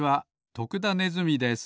徳田ネズミです。